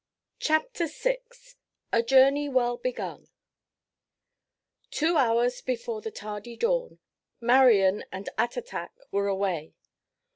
CHAPTER VI A JOURNEY WELL BEGUN Two hours before the tardy dawn, Marian and Attatak were away.